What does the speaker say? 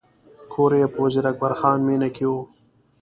کور یې په وزیر اکبر خان مېنه کې و.